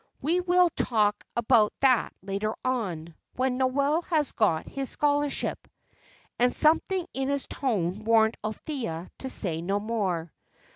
"We will talk about that later on, when Noel has got his scholarship;" and something in his tone warned Althea to say no more.